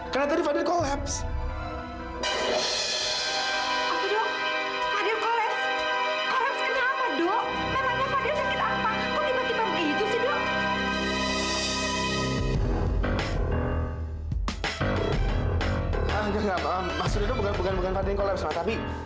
kak fadil pernah makan ini enggak